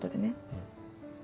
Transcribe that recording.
うん。